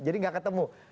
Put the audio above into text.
jadi gak ketemu